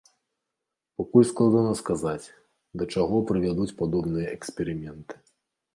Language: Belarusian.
Пакуль складана сказаць, да чаго прывядуць падобныя эксперыменты.